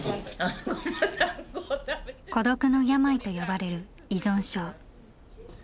「孤独の病」と呼ばれる依存症。